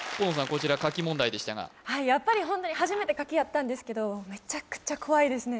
こちら書き問題でしたがやっぱりホントに初めて書きやったんですけどめちゃくちゃ怖いですね